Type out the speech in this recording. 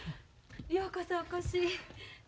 ようこそお越し。